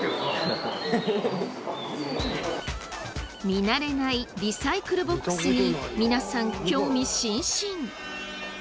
見慣れないリサイクルボックスに皆さん興味津々！